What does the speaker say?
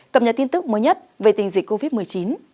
cập nhật tin tức mới nhất về tình dịch covid một mươi chín